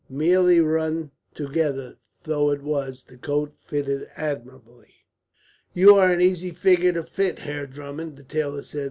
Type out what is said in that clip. Merely run together though it was, the coat fitted admirably. "You are an easy figure to fit, Herr Drummond," the tailor said.